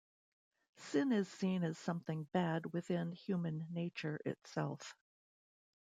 Sin is seen as something bad within human nature itself.